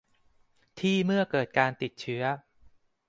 ที่เมื่อเกิดการติดเชื้อ